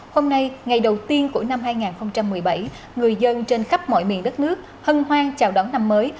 hôm nay ngày đầu tiên của năm hai nghìn một mươi bảy người dân trên khắp mọi miền đất nước hân hoan chào đón năm mới